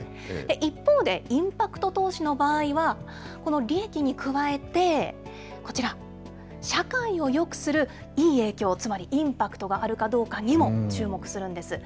一方で、インパクト投資の場合は、この利益に加えて、こちら、社会をよくするいい影響、つまりインパクトがあるかどうかにも注目するんです。